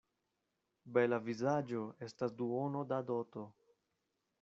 Bela vizaĝo estas duono da doto.